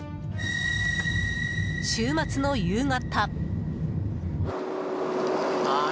週末の夕方。